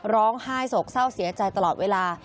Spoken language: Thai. ร้องไห้โศกเศร้าเสียใจตลอดเวลา